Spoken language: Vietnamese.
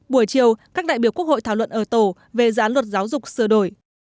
buổi chiều các đại biểu quốc hội thảo luận ở tổ về dự án luật giáo dục sửa đổi